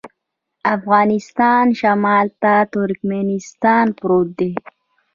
د افغانستان شمال ته ترکمنستان پروت دی